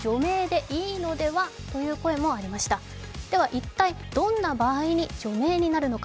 一体どんな場合に除名になるのか。